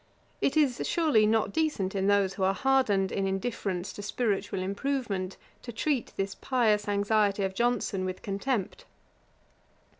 It is, surely, not decent in those who are hardened in indifference to spiritual improvement, to treat this pious anxiety of Johnson with contempt.